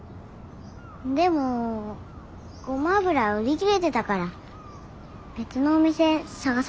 でもゴマ油売り切れてたから別のお店探さなきゃ。